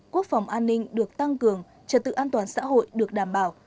quốc phòng an ninh được tăng cường trật tự an toàn xã hội được đảm bảo